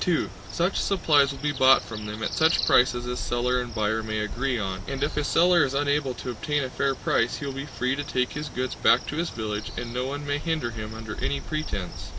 (2) Such supplies will be bought from them at such prices as seller and buyer may agree on, and if a seller is unable to obtain a fair price he will be free to take his goods back to his village and no one may hinder him under any pretense.